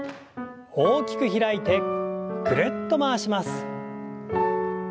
大きく開いてぐるっと回します。